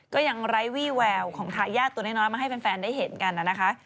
ก็ยังไร้วี่แววของทายาทตัวน้อยมาให้แฟนได้เห็นกันนะคะ